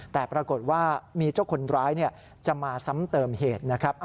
แต่ปรากฏว่ามีเจ้าคนร้ายจะมาซ้ำเติมเหตุนะครับ